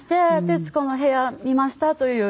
「『徹子の部屋』見ましたという」